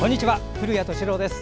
古谷敏郎です。